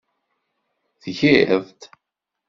Tgiḍ-t.